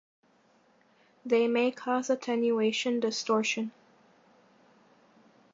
They may cause attenuation distortion.